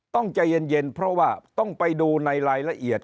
ต้องใจเย็นเพราะว่าต้องไปดูในรายละเอียด